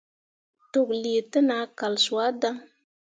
Toklǝǝah te nah kal suah dan.